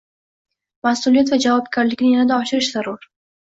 Mas’uliyat va javobgarlikni yanada oshirish zarurng